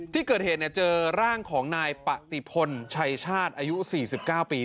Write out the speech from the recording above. ที่เกิดเหตุเจอร่างของนายปฏิพลชัยชาติอายุ๔๙ปี